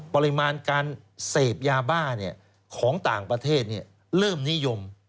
ปริมาณการเสพยาบ้าของต่างประเทศเริ่มนิยม